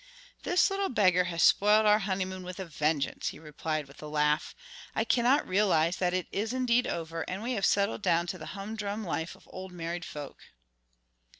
"This little beggar has spoiled our honeymoon with a vengeance," he replied with a laugh. "I cannot realize that it is indeed over, and we have settled down to the humdrum life of old married folk."